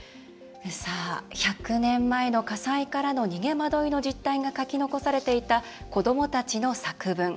１００年前の火災からの逃げ惑いの実態が書き残されていた子どもたちの作文。